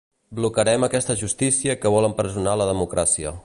Blocarem aquesta justícia que vol empresonar la democràcia.